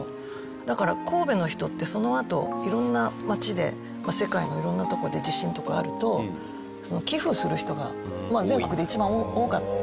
だから神戸の人ってそのあと色んな町で世界の色んなとこで地震とかあると寄付する人が全国で一番多かったんですよ。